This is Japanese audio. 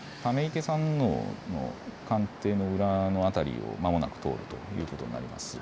溜池山王の官邸の裏の辺りをまもなく通るということになります。